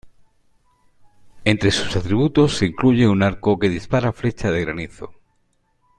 Entre sus atributos se incluye un arco que dispara flechas de granizo..